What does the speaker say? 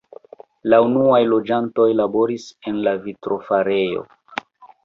La unuaj loĝantoj laboris en la vitrofarejo.